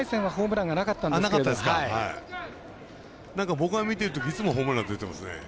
僕が見てるときいつもホームラン出てますね。